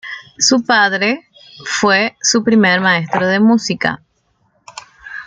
Su padre fue su primer maestro de música.